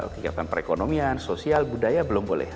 kegiatan perekonomian sosial budaya belum boleh